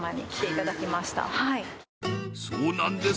そうなんです